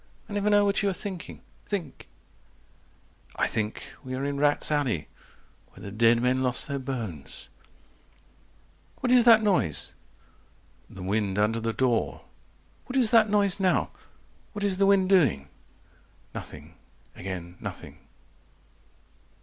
I never know what you are thinking. Think." I think we are in rats' alley 115 Where the dead men lost their bones. "What is that noise?" The wind under the door. "What is that noise now? What is the wind doing?" Nothing again nothing.